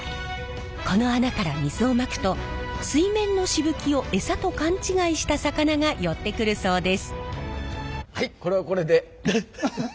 この穴から水をまくと水面のしぶきをエサと勘違いした魚が寄ってくるそうです。